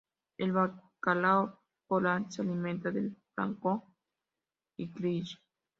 El bacalao polar se alimenta de plancton y krill.